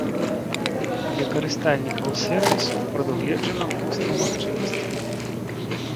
Для карыстальнікаў сэрвісу прадугледжана мноства магчымасцяў.